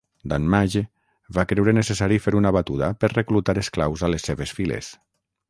Danmaje va creure necessari fer una batuda per reclutar esclaus a les seves files.